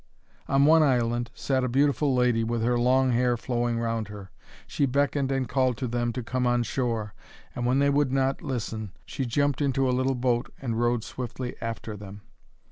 On one island sat a beautiful lady, with her long hair flowing round her. She beckoned and called to them to come on shore, and when they would not listen she jumped into a little boat and rowed swiftly after them.